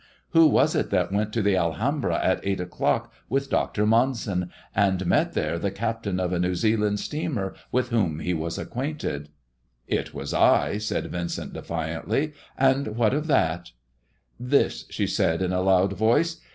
Who was it that went to the Alhambra at eight o'clock with Dr. Mon son, and met there the captain of a New Zealand steamer with whom he was acquainted 1 "" It was I," said Vincent defiantly ;" and what of that ]"" This !" she said in a loud voice.